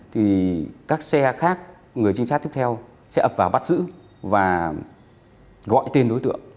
thì các xe khác người trinh sát tiếp theo sẽ ập vào bắt giữ và gọi tên đối tượng